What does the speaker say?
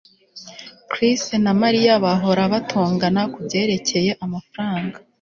Chris na Mariya bahora batongana kubyerekeye amafaranga